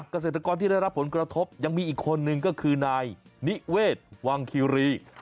เกษตรกรที่ได้รับผลกระทบยังมีอีกคนนึงก็คือนายนิเวศวังคิรี